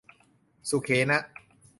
สุเขนะ